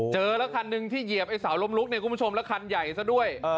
เจอแล้วคันหนึ่งที่เหยียบไอ้สาวล้มลุกเนี่ยคุณผู้ชมแล้วคันใหญ่ซะด้วย